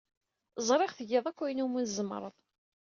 Ẓriɣ tgiḍ akk ayen umi tzemreḍ.